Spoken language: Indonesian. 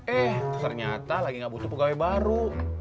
eh ternyata lagi nggak butuh pegawai baru